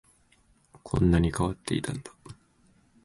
こんなに変わっていたんだ